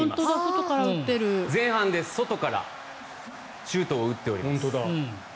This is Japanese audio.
外から外からシュートを打っております。